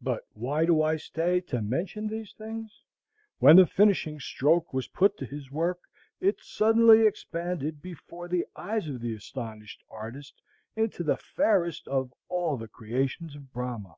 But why do I stay to mention these things? When the finishing stroke was put to his work, it suddenly expanded before the eyes of the astonished artist into the fairest of all the creations of Brahma.